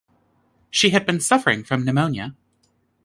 She had been suffering from pneumonia.